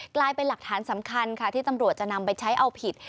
กลายเป็นหลักฐานสำคัญค่ะที่ตำรวจจะนำไปใช้เอาผิด